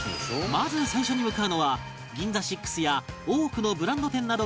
まず最初に向かうのは ＧＩＮＺＡＳＩＸ や多くのブランド店などが立ち並ぶ